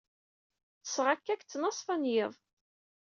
Ṭṭseɣ akka deg ttnaṣfa n yiḍ.